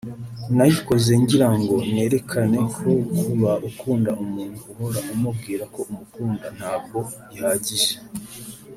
nayikoze ngira ngo nerekane ko kuba ukunda umuntu uhora umubwira ko umukunda ntabwo bihagije